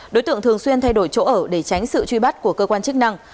đối tượng thường xuyên thay đổi chỗ ở để tránh sự truy bắt của cơ quan chức năng